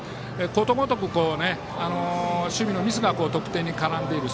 ことごとく守備のミスが得点に絡んでいる。